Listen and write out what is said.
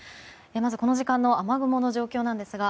まず、この時間の雨雲の状況ですが